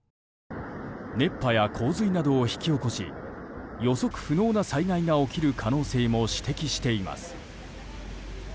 熱波や洪水などを引き起こし予測不能な災害が起きる可能性も指摘しています。